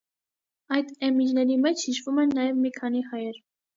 Այդ էմիրների մեջ հիշվում են նաև մի քանի հայեր։